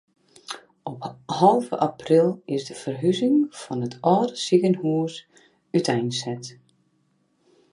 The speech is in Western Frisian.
Op alve april is de ferhuzing fan it âlde sikehús úteinset.